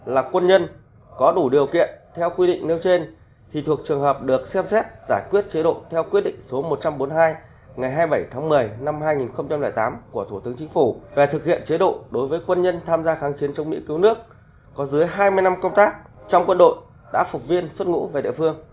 là quân nhân có đủ điều kiện theo quy định nêu trên thì thuộc trường hợp được xem xét giải quyết chế độ theo quyết định số một trăm bốn mươi hai ngày hai mươi bảy tháng một mươi năm hai nghìn tám của thủ tướng chính phủ về thực hiện chế độ đối với quân nhân tham gia kháng chiến trong mỹ cứu nước có dưới hai mươi năm công tác trong quân đội đã phục viên xuất ngũ về địa phương